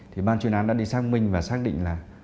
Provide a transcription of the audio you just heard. thì ban chuyên án đã đi xác minh và xác định là